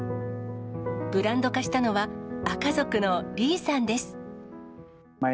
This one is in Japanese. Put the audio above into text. ブランド化したのは、アカ族のリーさんです。